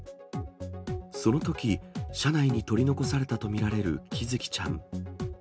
そのとき、車内に取り残されたと見られる喜寿生ちゃん。